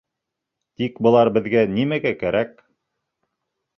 Тик былар беҙгә нимәгә кәрәк?